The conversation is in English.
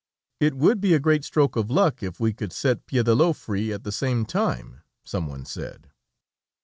"It would be a great stroke of luck, if we could set Piédelot free at the same time," some one said.